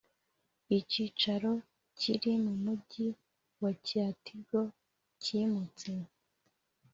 icyicaro kiri mu mujyi wa cya tigo kimutse